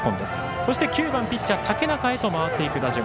そして９番、ピッチャー竹中へ回る打順。